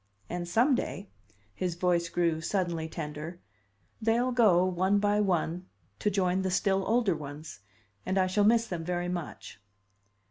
And some day" his voice grew suddenly tender "they'll go, one by one, to join the still older ones. And I shall miss them very much."